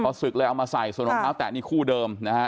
พอศึกเลยเอามาใส่ส่วนรองเท้าแตะนี่คู่เดิมนะฮะ